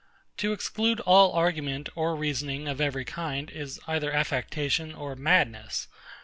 To exclude all argument or reasoning of every kind, is either affectation or madness.